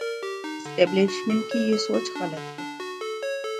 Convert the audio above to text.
Establishment کی یہ سوچ غلط ہے۔